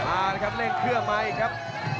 อ้าวนะครับเล่นเครื่องมายอีกครับ